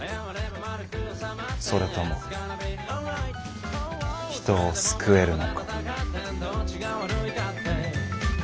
それとも人を救えるのか。